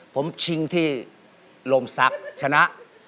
ผมชิงที่โรมซักชนะ